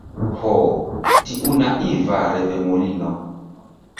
Ho, tiu naiva revemulino!